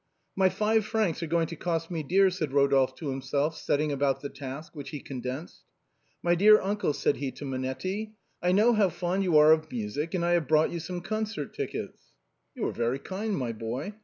" My five francs are going to cost me dear," said Ro dolphe to himself, setting about the task, which he con densed. " My dear uncle," said he to Monetti, " I know how fond you are of music and I have brought you some concert tickets." " You are very kind, my boy.